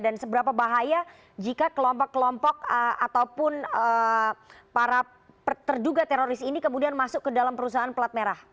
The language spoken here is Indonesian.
dan seberapa bahaya jika kelompok kelompok ataupun para terduga teroris ini kemudian masuk ke dalam perusahaan pelat merah